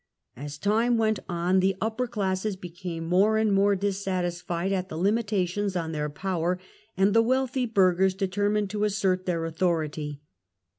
As time went on the upper classes became more and more dissatisfied at the limitations on their power, and the wealthy burghers determined to assert their authority.